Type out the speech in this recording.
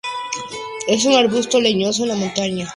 Es un arbusto leñoso en la montaña de Reunión.